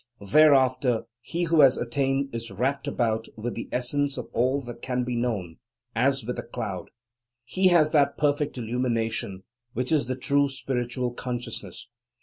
Thereafter, he who has attained is wrapt about with the essence of all that can be known, as with a cloud; he has that perfect illumination which is the true spiritual consciousness.